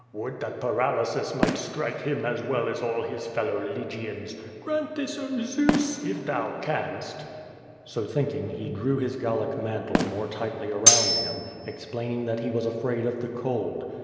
Would that paralysis might strike him as well as all his fellow Lygians. Grant this, oh Zeus! if thou canst." So thinking he drew his Gallic mantle more tightly around him, explaining that he was afraid of the cold.